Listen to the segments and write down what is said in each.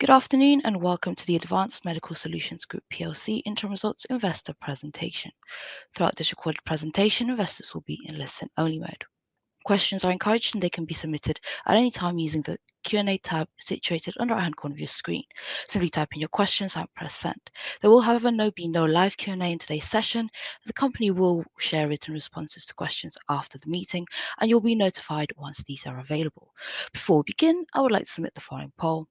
Good afternoon and welcome to the Advanced Medical Solutions Group Plc Interim Results Investor presentation. Throughout this recorded presentation, investors will be in listen-only mode. Questions are encouraged, and they can be submitted at any time using the Q&A tab situated on the right-hand corner of your screen. Simply type in your questions and press send. There will, however, be no live Q&A in today's session, as the company will share written responses to questions after the meeting, and you'll be notified once these are available. Before we begin, I would like to submit the following poll,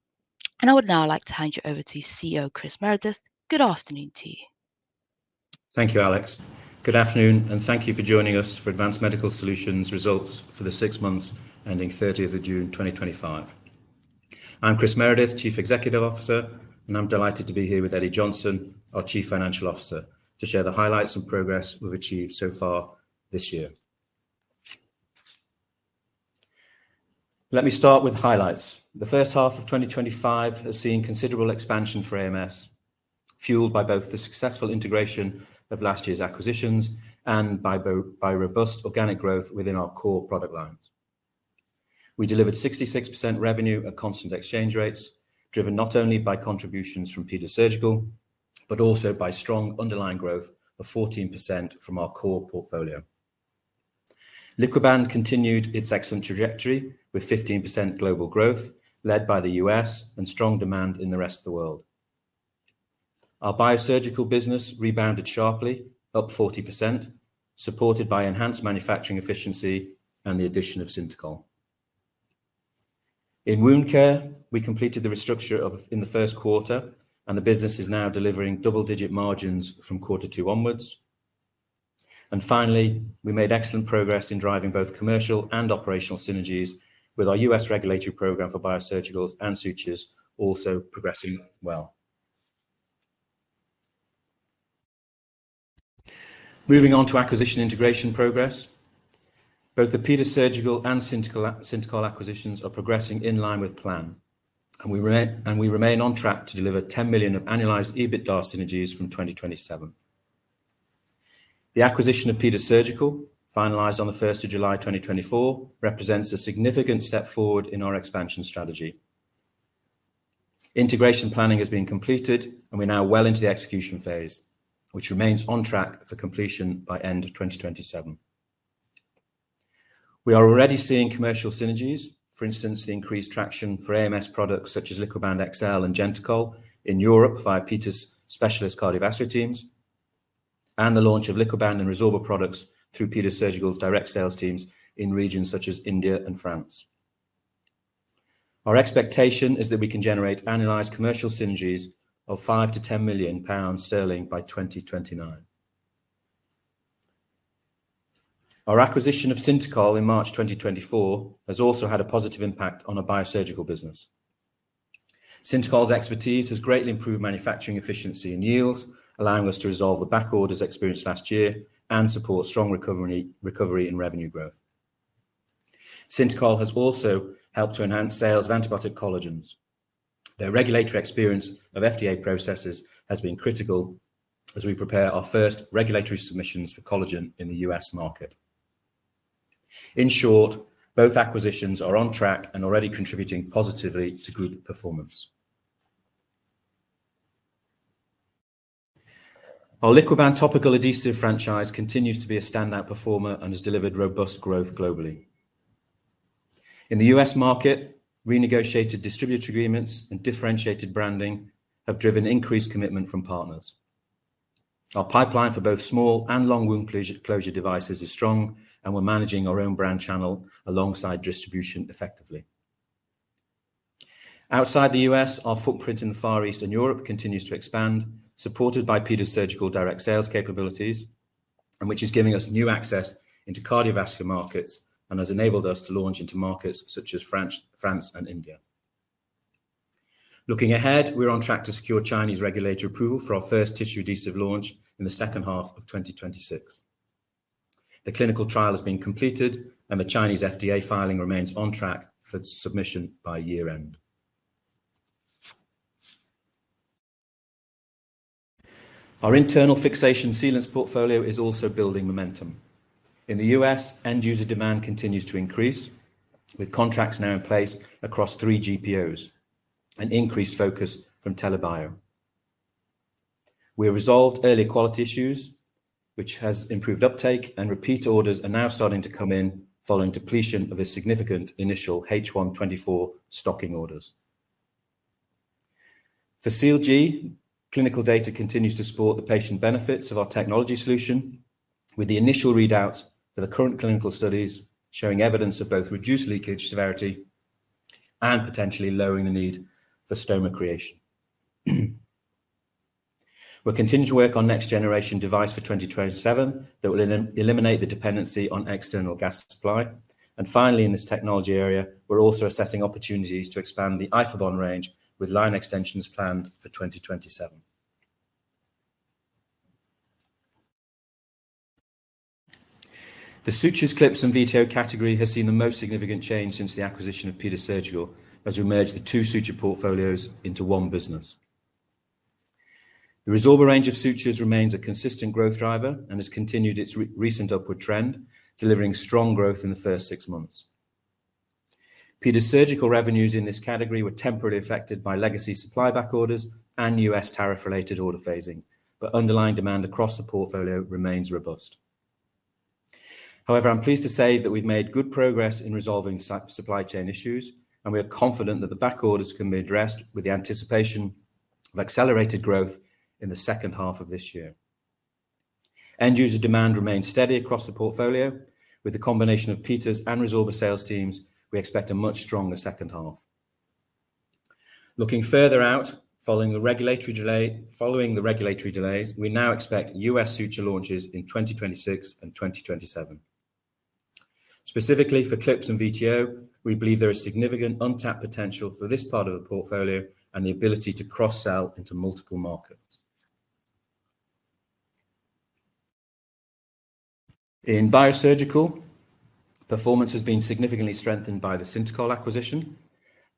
and I would now like to hand you over to CEO Chris Meredith. Good afternoon to you. Thank you, Alex. Good afternoon, and thank you for joining us for Advanced Medical Solutions Group Results for the six months ending 30th of June 2025. I'm Chris Meredith, Chief Executive Officer, and I'm delighted to be here with Eddie Johnson, our Chief Financial Officer, to share the highlights and progress we've achieved so far this year. Let me start with highlights. The first half of 2025 has seen considerable expansion for AMS, fueled by both the successful integration of last year's acquisitions and by robust organic growth within our core product lines. We delivered 66% revenue at constant exchange rates, driven not only by contributions from Peters Surgical, but also by strong underlying growth of 14% from our core portfolio. LiquiBand continued its excellent trajectory with 15% global growth, led by the U.S. and strong demand in the rest of the world. Our biosurgical business rebounded sharply, up 40%, supported by enhanced manufacturing efficiency and the addition of Syntacoll. In wound care, we completed the restructure in the first quarter, and the business is now delivering double-digit margins from quarter two onwards. And finally, we made excellent progress in driving both commercial and operational synergies with our U.S. regulatory program for biosurgicals and sutures, also progressing well. Moving on to acquisition integration progress, both the Peters Surgical and Syntacoll acquisitions are progressing in line with plan, and we remain on track to deliver 10 million of annualized EBITDA synergies from 2027. The acquisition of Peters Surgical, finalized on the 1st of July 2024, represents a significant step forward in our expansion strategy. Integration planning has been completed, and we're now well into the execution phase, which remains on track for completion by end of 2027. We are already seeing commercial synergies. For instance, the increased traction for AMS products such as LiquiBand XL and Genta-Coll in Europe via Peters' specialist cardiovascular teams, and the launch of LiquiBand and Resorba products through Peters Surgical's direct sales teams in regions such as India and France. Our expectation is that we can generate annualized commercial synergies of 5-10 million pounds by 2029. Our acquisition of Syntacoll in March 2024 has also had a positive impact on our biosurgical business. Syntacoll's expertise has greatly improved manufacturing efficiency and yields, allowing us to resolve the backorders experienced last year and support strong recovery in revenue growth. Syntacoll has also helped to enhance sales of antibiotic collagens. Their regulatory experience of FDA processes has been critical as we prepare our first regulatory submissions for collagen in the U.S. market. In short, both acquisitions are on track and already contributing positively to group performance. Our LiquiBand topical adhesive franchise continues to be a standout performer and has delivered robust growth globally. In the U.S. market, renegotiated distributor agreements and differentiated branding have driven increased commitment from partners. Our pipeline for both small and long-wound closure devices is strong, and we're managing our own brand channel alongside distribution effectively. Outside the U.S., our footprint in the Far East and Europe continues to expand, supported by Peters Surgical's direct sales capabilities, which is giving us new access into cardiovascular markets and has enabled us to launch into markets such as France and India. Looking ahead, we're on track to secure Chinese regulatory approval for our first tissue adhesive launch in the second half of 2026. The clinical trial has been completed, and the Chinese FDA filing remains on track for submission by year-end. Our internal fixation sealants portfolio is also building momentum. In the U.S., end-user demand continues to increase, with contracts now in place across three GPOs and increased focus from TELA Bio. We have resolved early quality issues, which has improved uptake, and repeat orders are now starting to come in following depletion of a significant initial H1 24 stocking orders. For Seal-G, clinical data continues to support the patient benefits of our technology solution, with the initial readouts for the current clinical studies showing evidence of both reduced leakage severity and potentially lowering the need for stoma creation. We're continuing to work on next-generation devices for 2027 that will eliminate the dependency on external gas supply. Finally, in this technology area, we're also assessing opportunities to expand the Ifabond range with line extensions planned for 2027. The sutures, clips, and VTO category has seen the most significant change since the acquisition of Peters Surgical as we merged the two suture portfolios into one business. The Resorba range of sutures remains a consistent growth driver and has continued its recent upward trend, delivering strong growth in the first six months. Peters Surgical revenues in this category were temporarily affected by legacy supply-back orders and U.S. tariff-related order phasing, but underlying demand across the portfolio remains robust. However, I'm pleased to say that we've made good progress in resolving supply chain issues, and we are confident that the backorders can be addressed with the anticipation of accelerated growth in the second half of this year. End-user demand remains steady across the portfolio. With the combination of Peters and Resorba sales teams, we expect a much stronger second half. Looking further out, following the regulatory delays, we now expect U.S. suture launches in 2026 and 2027. Specifically for clips and VTO, we believe there is significant untapped potential for this part of the portfolio and the ability to cross-sell into multiple markets. In Biosurgical, performance has been significantly strengthened by the Syntacoll acquisition.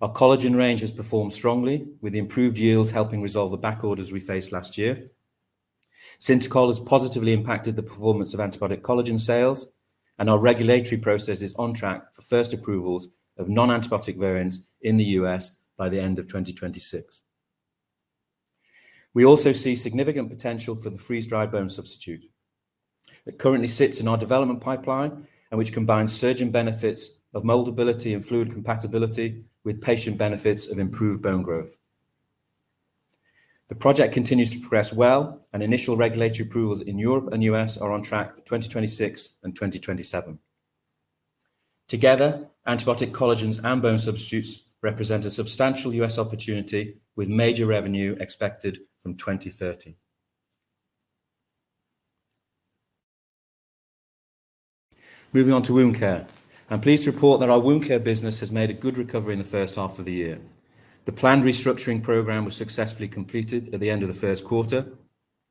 Our collagen range has performed strongly, with improved yields helping resolve the backorders we faced last year. Syntacoll has positively impacted the performance of antibiotic collagen sales, and our regulatory process is on track for first approvals of non-antibiotic variants in the U.S. by the end of 2026. We also see significant potential for the freeze-dried bone substitute that currently sits in our development pipeline and which combines surgeon benefits of moldability and fluid compatibility with patient benefits of improved bone growth. The project continues to progress well, and initial regulatory approvals in Europe and U.S. are on track for 2026 and 2027. Together, antibiotic collagens and bone substitutes represent a substantial U.S. opportunity, with major revenue expected from 2030. Moving on to wound care, I'm pleased to report that our wound care business has made a good recovery in the first half of the year. The planned restructuring program was successfully completed at the end of the first quarter,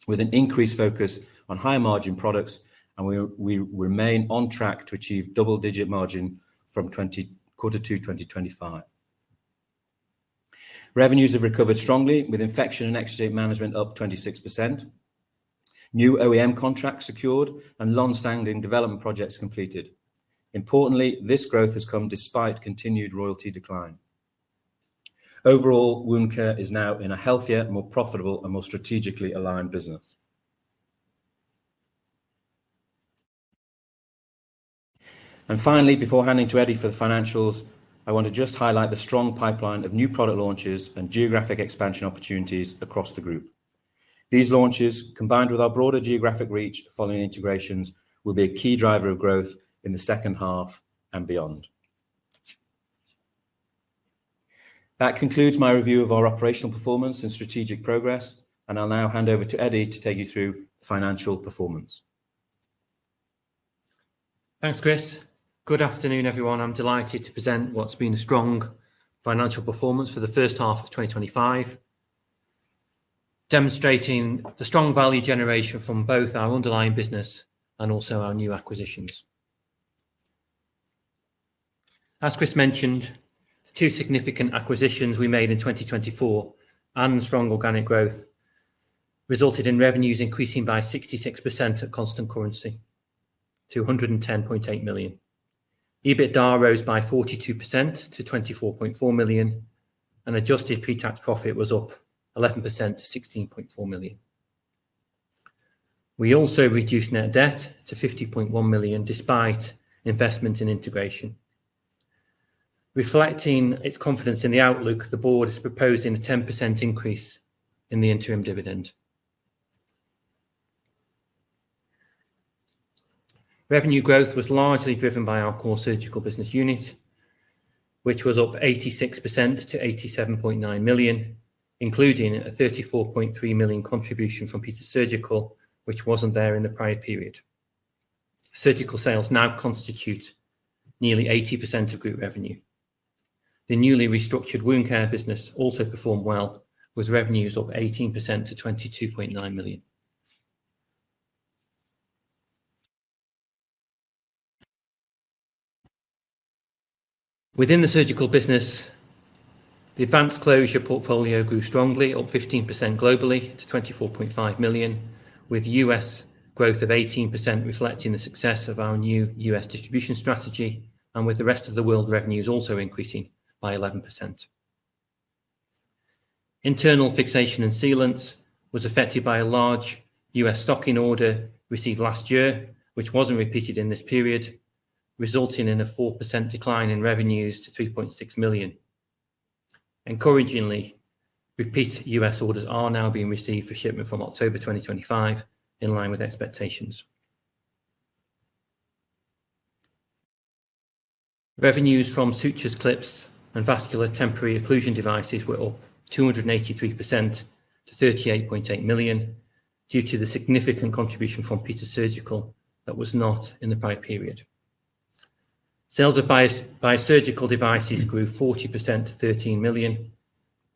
with an increased focus on higher margin products, and we remain on track to achieve double-digit margin from quarter two 2025. Revenues have recovered strongly, with infection and exudate management up 26%, new OEM contracts secured, and long-standing development projects completed. Importantly, this growth has come despite continued royalty decline. Overall, wound care is now in a healthier, more profitable, and more strategically aligned business. And finally, before handing to Eddie for the financials, I want to just highlight the strong pipeline of new product launches and geographic expansion opportunities across the group. These launches, combined with our broader geographic reach following integrations, will be a key driver of growth in the second half and beyond. That concludes my review of our operational performance and strategic progress, and I'll now hand over to Eddie to take you through financial performance. Thanks, Chris. Good afternoon, everyone. I'm delighted to present what's been a strong financial performance for the first half of 2025, demonstrating the strong value generation from both our underlying business and also our new acquisitions. As Chris mentioned, the two significant acquisitions we made in 2024 and strong organic growth resulted in revenues increasing by 66% at constant currency to 110.8 million. EBITDA rose by 42% to 24.4 million, and adjusted pre-tax profit was up 11% to 16.4 million. We also reduced net debt to 50.1 million despite investment in integration. Reflecting its confidence in the outlook, the board is proposing a 10% increase in the interim dividend. Revenue growth was largely driven by our core surgical business unit, which was up 86% to 87.9 million, including a 34.3 million contribution from Peters Surgical, which wasn't there in the prior period. Surgical sales now constitute nearly 80% of group revenue. The newly restructured wound care business also performed well, with revenues up 18% to 22.9 million. Within the surgical business, the advanced closure portfolio grew strongly, up 15% globally to 24.5 million, with U.S. growth of 18% reflecting the success of our new U.S. distribution strategy and with the rest of the world revenues also increasing by 11%. Internal fixation and sealants was affected by a large U.S. stocking order received last year, which wasn't repeated in this period, resulting in a 4% decline in revenues to 3.6 million. Encouragingly, repeat U.S. orders are now being received for shipment from October 2025, in line with expectations. Revenues from sutures, clips, and vascular temporary occlusion devices were up 283% to 38.8 million due to the significant contribution from Peters Surgical that was not in the prior period. Sales of biosurgical devices grew 40% to 13 million,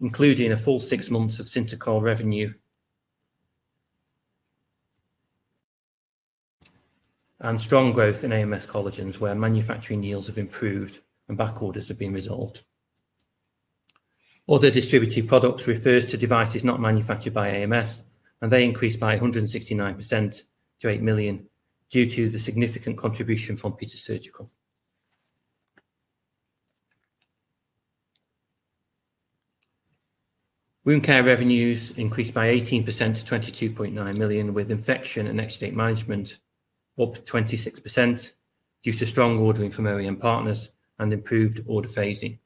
including a full six months of Syntacoll revenue, and strong growth in AMS collagens where manufacturing yields have improved and backorders have been resolved. Other distributed products refer to devices not manufactured by AMS, and they increased by 169% to 8 million due to the significant contribution from Peters Surgical. Wound care revenues increased by 18% to 22.9 million, with infection and exudate management up 26% due to strong ordering from OEM partners and improved order phasing.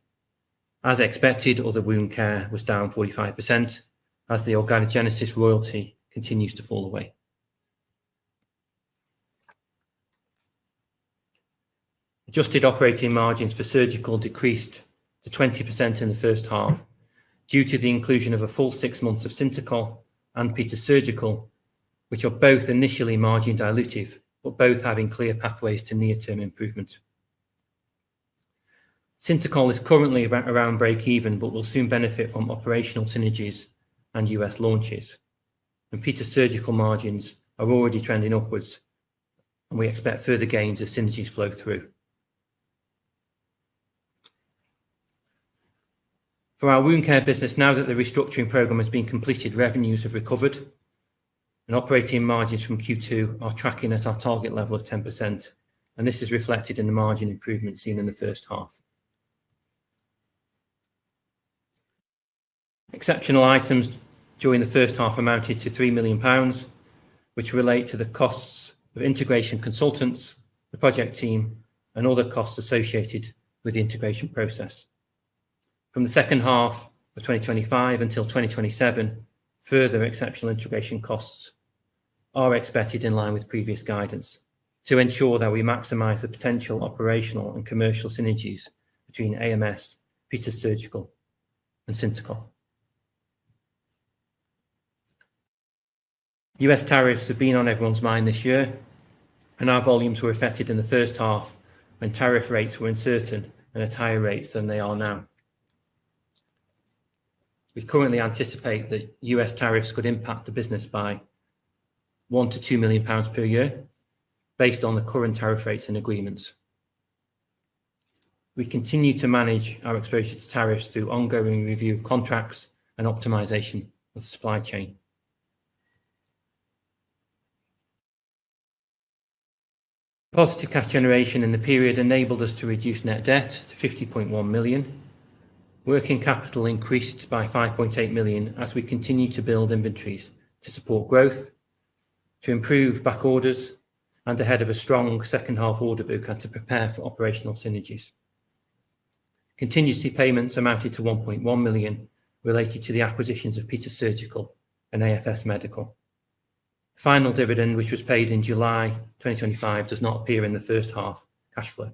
As expected, other wound care was down 45% as the Organogenesis royalty continues to fall away. Adjusted operating margins for surgical decreased to 20% in the first half due to the inclusion of a full six months of Syntacoll and Peters Surgical, which are both initially margin dilutive, but both having clear pathways to near-term improvement. Syntacoll is currently around breakeven, but will soon benefit from operational synergies and U.S. launches, and Peters Surgical margins are already trending upwards, and we expect further gains as synergies flow through. For our wound care business, now that the restructuring program has been completed, revenues have recovered, and operating margins from Q2 are tracking at our target level of 10%, and this is reflected in the margin improvement seen in the first half. Exceptional items during the first half amounted to 3 million pounds, which relate to the costs of integration consultants, the project team, and other costs associated with the integration process. From the second half of 2025 until 2027, further exceptional integration costs are expected in line with previous guidance to ensure that we maximize the potential operational and commercial synergies between AMS, Peters Surgical, and Syntacoll. U.S. tariffs have been on everyone's mind this year, and our volumes were affected in the first half when tariff rates were uncertain and at higher rates than they are now. We currently anticipate that U.S. tariffs could impact the business by 1-2 million pounds per year, based on the current tariff rates and agreements. We continue to manage our exposure to tariffs through ongoing review of contracts and optimization of the supply chain. Positive cash generation in the period enabled us to reduce net debt to 50.1 million. Working capital increased by 5.8 million as we continue to build inventories to support growth, to improve backorders, and ahead of a strong second half order book and to prepare for operational synergies. Contingency payments amounted to 1.1 million related to the acquisitions of Peters Surgical and AFS Medical. Final dividend, which was paid in July 2025, does not appear in the first half cash flow.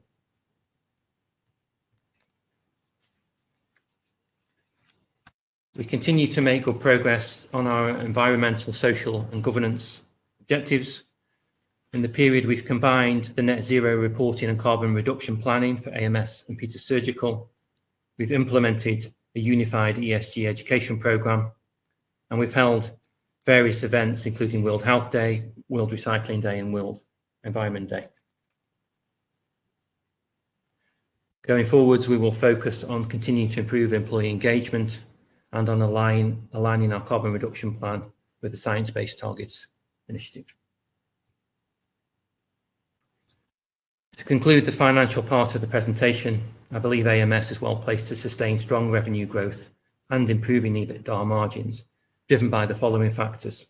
We continue to make good progress on our environmental, social, and governance objectives. In the period, we've combined the net zero reporting and carbon reduction planning for AMS and Peters Surgical. We've implemented a unified ESG education program, and we've held various events, including World Health Day, World Recycling Day, and World Environment Day. Going forward, we will focus on continuing to improve employee engagement and on aligning our carbon reduction plan with the Science Based Targets initiative. To conclude the financial part of the presentation, I believe AMS is well placed to sustain strong revenue growth and improving EBITDA margins driven by the following factors: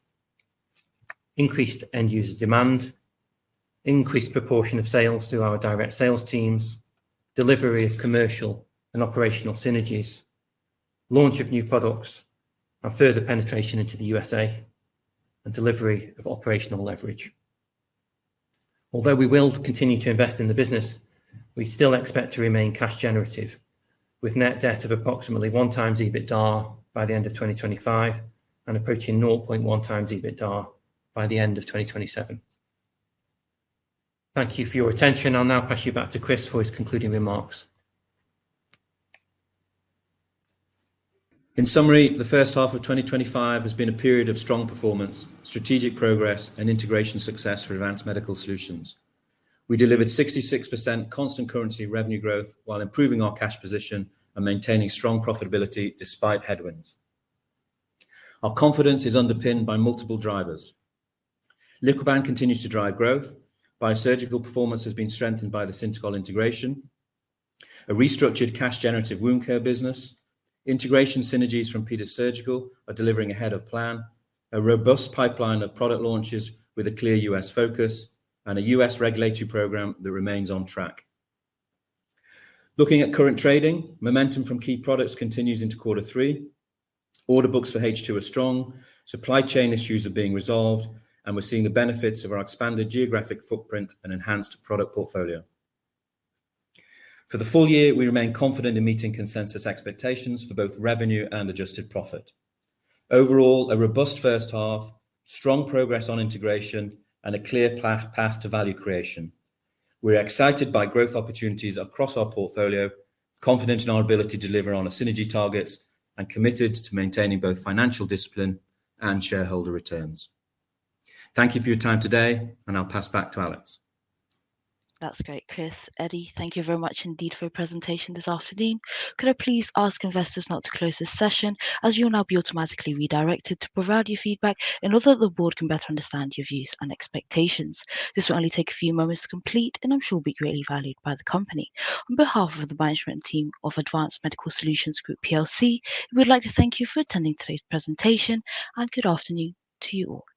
increased end-user demand, increased proportion of sales through our direct sales teams, delivery of commercial and operational synergies, launch of new products, and further penetration into the USA and delivery of operational leverage. Although we will continue to invest in the business, we still expect to remain cash generative, with net debt of approximately one times EBITDA by the end of 2025 and approaching 0.1 times EBITDA by the end of 2027. Thank you for your attention. I'll now pass you back to Chris for his concluding remarks. In summary, the first half of 2025 has been a period of strong performance, strategic progress, and integration success for Advanced Medical Solutions. We delivered 66% constant currency revenue growth while improving our cash position and maintaining strong profitability despite headwinds. Our confidence is underpinned by multiple drivers. LiquiBand continues to drive growth. Biosurgical performance has been strengthened by the Syntacoll integration, a restructured cash-generative wound care business, integration synergies from Peters Surgical are delivering ahead of plan, a robust pipeline of product launches with a clear U.S. focus, and a U.S. regulatory program that remains on track. Looking at current trading, momentum from key products continues into quarter three. Order books for H2 are strong, supply chain issues are being resolved, and we're seeing the benefits of our expanded geographic footprint and enhanced product portfolio. For the full year, we remain confident in meeting consensus expectations for both revenue and adjusted profit. Overall, a robust first half, strong progress on integration, and a clear path to value creation. We're excited by growth opportunities across our portfolio, confident in our ability to deliver on our synergy targets, and committed to maintaining both financial discipline and shareholder returns. Thank you for your time today, and I'll pass back to Alex. That's great, Chris. Eddie, thank you very much indeed for your presentation this afternoon. Could I please ask investors not to close this session, as you'll now be automatically redirected to provide your feedback in order that the board can better understand your views and expectations? This will only take a few moments to complete, and I'm sure it will be greatly valued by the company. On behalf of the management team of Advanced Medical Solutions Group Plc, we would like to thank you for attending today's presentation, and good afternoon to you all.